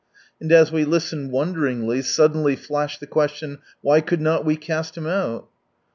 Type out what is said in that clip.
And as we listened wonderingly, suddenly flashed the question, " Why could not we cast him out